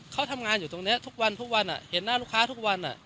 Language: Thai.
เขาทำงานอยู่ตรงนี้ทุกวันทุกวันเห็นหน้าลูกค้าทุกวัน